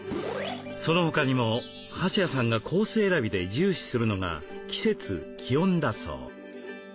その他にも橋谷さんがコース選びで重視するのが季節気温だそう。